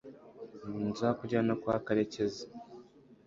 nzakujyana kwa karekezi